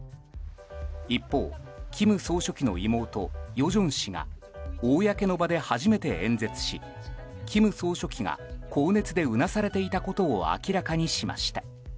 一方、金総書記の妹・与正氏が公の場で初めて演説し金総書記が高熱でうなされていたことを明らかにしました。